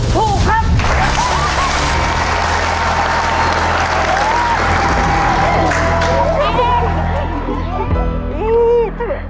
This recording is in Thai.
เธอเธอเธอเธอเธอเธอเธอเธอเธอ